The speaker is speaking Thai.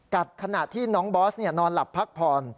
ขณะที่น้องบอสนอนหลับพักผ่อน